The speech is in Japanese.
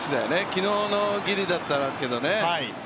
昨日のギリだったけどね。